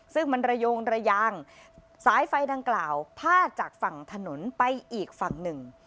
ซึ่งมันระโยงระยางสายไฟดังกล่าวพาดจากฝั่งถนนไปอีกฝั่งหนึ่ง